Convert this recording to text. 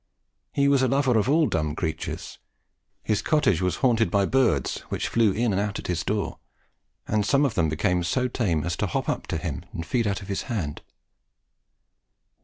He was a lover of all dumb creatures; his cottage was haunted by birds which flew in and out at his door, and some of them became so tame as to hop up to him and feed out of his hand.